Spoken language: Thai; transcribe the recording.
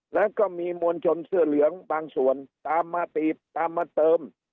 แล้วก็มีมวลชนเสื้อเหลืองบางส่วนตามมาตีบตามมาเติม